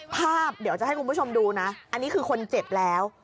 ภาพเดี๋ยวจะให้คุณผู้ชมดูนะอันนี้คือคนเจ็บแล้ว